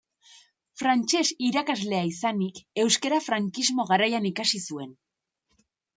Frantses irakaslea izanik, euskara frankismo garaian ikasi zuen.